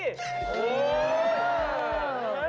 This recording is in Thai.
โอ้โห